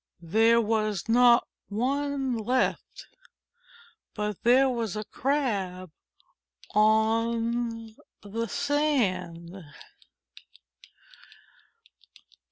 There was not one left, but there was a Crab on the sand.